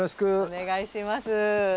お願いします。